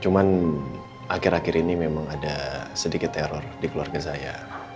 cuman akhir akhir ini memang ada sedikit teror di keluarga saya